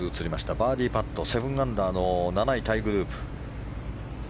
バーディーパット７アンダーの７位タイグループ。